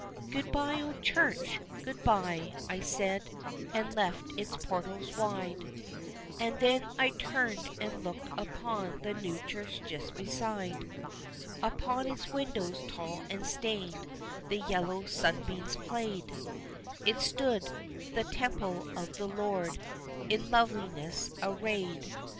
Good bye, old church! Good bye, I said, and left its portals wide, And then I turned and looked upon the new church just beside; Upon its windows tall and stained the yellow sunbeams played, It stood, the temple of the Lord, in loveliness arrayed.